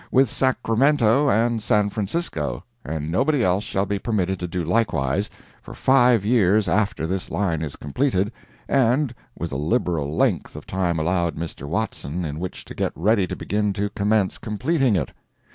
with Sacramento and San Francisco, and nobody else shall be permitted to do likewise, for five years after this line is completed, and with a liberal length of time allowed Mr. Watson in which to get ready to begin to commence completing it.